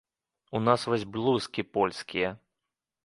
У нас вось блузкі польскія.